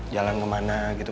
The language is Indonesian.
jalan kemana gitu